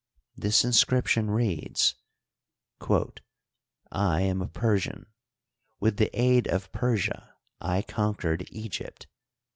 This inscription reads :" I am a Persian. With the aid of Persia I conquered Egypt.